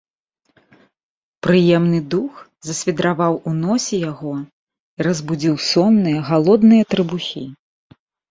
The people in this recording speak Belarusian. Прыемны дух засвідраваў у носе яго і разбудзіў сонныя, галодныя трыбухі.